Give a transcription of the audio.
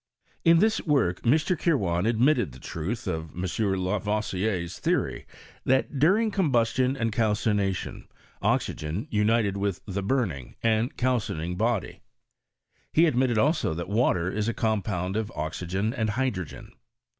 In this work Mr. Kirwan admitted the truth of M. Lavoisier's theory, that during combustion and calcination, oxygen united witli the burning and calcining body. He admitted also that water is x compound of oxygen and hydrogen.